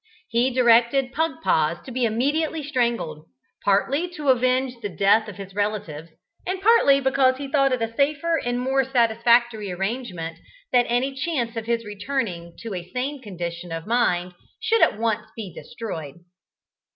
He directed Pugpoz to be immediately strangled, partly to avenge the death of his relatives, and partly because he thought it a safer and more satisfactory arrangement that any chance of his returning to a sane condition of mind should at once be destroyed.